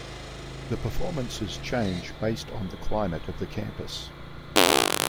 The performances change based on the climate of the campus.